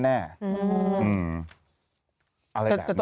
อะไรแบบนี้